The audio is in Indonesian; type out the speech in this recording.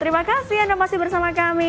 terima kasih anda masih bersama kami